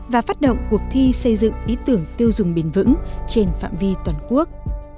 và phát động cuộc thi xây dựng ý tưởng tiêu dùng bền vững trên phạm vi toàn quốc